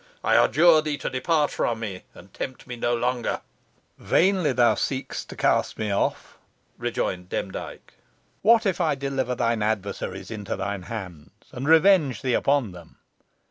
I adjure thee to depart from me, and tempt me no longer." "Vainly thou seekest to cast me off," rejoined Demdike. "What if I deliver thine adversaries into thine hands, and revenge thee upon them?